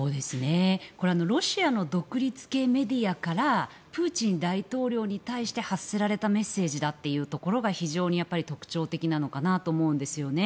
これはロシアの独立系メディアからプーチン大統領に対して発せられたメッセージだというところが非常に特徴的なのかなと思うんですよね。